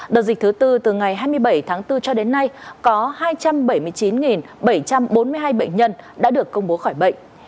đợt dịch thứ tư từ ngày hai mươi bảy tháng bốn cho đến nay có hai trăm bảy mươi chín bảy trăm bốn mươi hai bệnh nhân đã được công bố khỏi bệnh